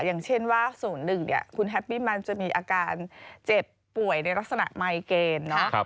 อย่างเช่นว่าศูนย์หนึ่งคุณแฮปปี้มัมจะมีอาการเจ็บป่วยในลักษณะมายเกณฑ์